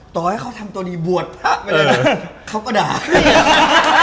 ต่อให้เขาทำตัวดีบวชถ้าไม่ได้กลับเขาก็ด่า